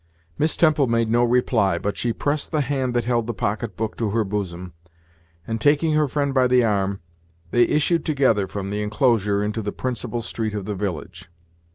Miss Temple made no reply, but she pressed the hand that held the pocket book to her bosom, and, taking her friend by the arm, they issued together from the inclosure into the principal street of the village.